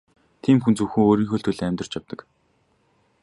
Тийм хүн зөвхөн өөрийнхөө л төлөө амьдарч явдаг.